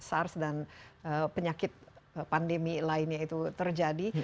sars dan penyakit pandemi lainnya itu terjadi